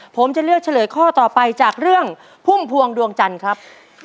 ผมจะเลือกเฉลยข้อต่อไปจากเรื่องพุ่มพวงดวงจันทร์ครับ